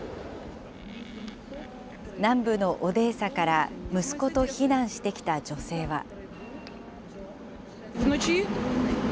南部のオデーサから息子と避難してきた女性は。